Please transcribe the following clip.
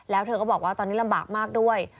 แล้วเธอก็บอกว่าตอนนี้ลำบากมากด้วย